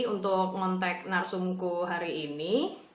untuk ngontek narsumku hari ini